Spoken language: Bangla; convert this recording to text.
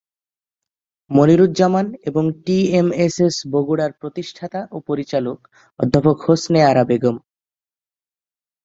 মনিরুজ্জামান এবং টিএমএসএস বগুড়ার প্রতিষ্ঠাতা ও পরিচালক অধ্যাপক হোসনে আরা বেগম।